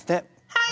はい。